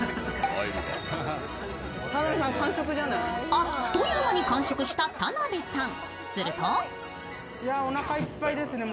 あっという間に完食した田辺さん。